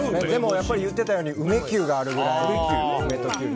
やっぱり言ってたように梅キュウがあるくらい梅とキュウリ。